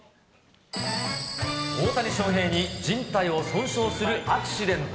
大谷翔平にじん帯を損傷するアクシデント。